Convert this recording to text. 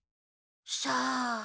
さあ？